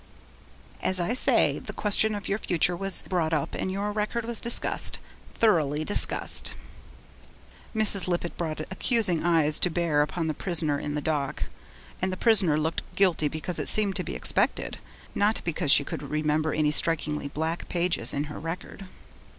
'As I say, the question of your future was brought up and your record was discussed thoroughly discussed.' Mrs. Lippett brought accusing eyes to bear upon the prisoner in the dock, and the prisoner looked guilty because it seemed to be expected not because she could remember any strikingly black pages in her record.